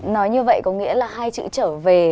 nói như vậy có nghĩa là hai chữ trở về